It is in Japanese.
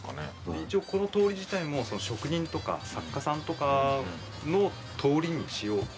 一応この通り自体も職人とか作家さんとかの通りにしようっていう。